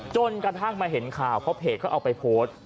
จนกระทั่งมาเห็นข่าวเพราะเพจเขาเอาไปโพสต์